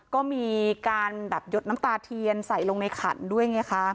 ก็มีการแบบหยดน้ำตาเทียนใส่ลงในขันด้วยไงคะ